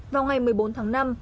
vào ngày một mươi bốn tháng năm